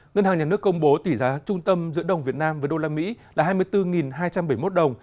ngân hàng nhà nước công bố tỷ giá trung tâm giữa đồng việt nam với đô la mỹ là hai mươi bốn hai trăm bảy mươi một đồng